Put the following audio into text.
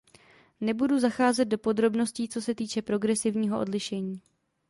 Nebudu zacházet do podrobností co se týče progresivního odlišení.